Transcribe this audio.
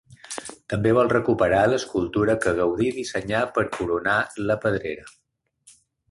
També vol recuperar l'escultura que Gaudí dissenyà per a coronar La Pedrera.